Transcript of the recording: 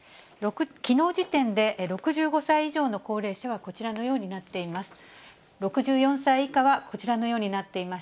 きのう時点で、６５歳以上の高齢者はこちらのようになっています。